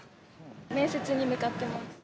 面接に向かっています。